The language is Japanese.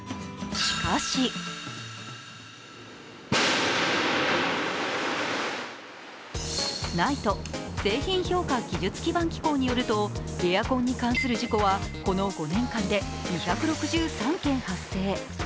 しかしＮＩＴＥ、製品評価技術基盤機構によると、エアコンに関する事故はこの５年間で、２６３件発生。